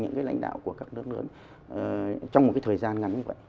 những cái lãnh đạo của các nước lớn trong một cái thời gian ngắn như vậy